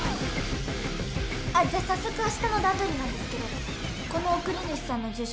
あっじゃあ早速明日の段取りなんですけどこの送り主さんの住所